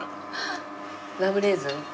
ラムレーズン？